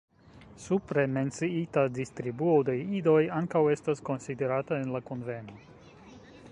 Supre menciita distribuo de idoj ankaŭ estas konsiderata en la kunveno.